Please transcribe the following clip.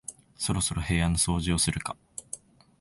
そろそろ部屋の掃除をするか